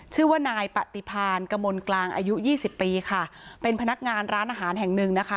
ชื่อว่านายปฏิพานกมลกลางอายุยี่สิบปีค่ะเป็นพนักงานร้านอาหารแห่งหนึ่งนะคะ